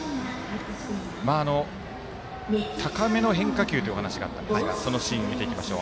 高めの変化球というお話があったそのシーンを見ていきましょう。